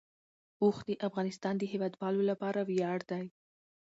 اوښ د افغانستان د هیوادوالو لپاره ویاړ دی.